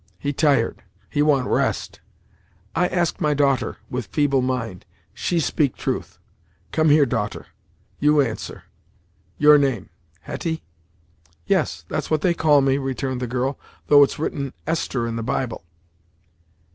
He tired; he want rest. I ask my daughter, with feeble mind. She speak truth. Come here, daughter; you answer. Your name, Hetty?" "Yes, that's what they call me," returned the girl, "though it's written Esther in the Bible."